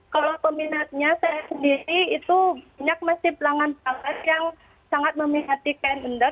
kalau peminatnya saya sendiri itu minyak masih pelanggan banget yang sangat memihati kain endek